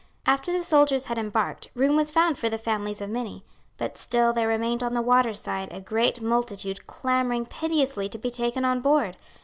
After the soldiers had embarked, room was found for the families of many. But still there remained on the water side a great multitude clamouring piteously to be taken on board.